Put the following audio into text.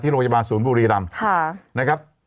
ที่โรงพยาบาลศูนย์บุรีรามค่ะ